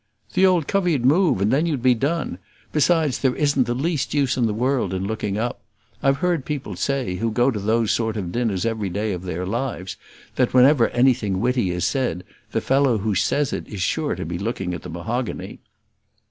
"The old covey'd move, and then you'd be done; besides there isn't the least use in the world in looking up. I've heard people say, who go to those sort of dinners every day of their lives, that whenever anything witty is said; the fellow who says it is sure to be looking at the mahogany."